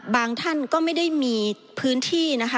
ท่านก็ไม่ได้มีพื้นที่นะคะ